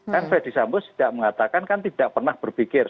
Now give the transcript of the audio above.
kan fedy sambo tidak mengatakan kan tidak pernah berpikir